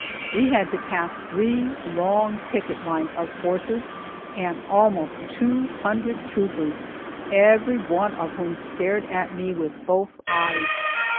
We had to pass three long picket lines of horses and almost two hundred troopers, every one of whom stared at me with both eyes.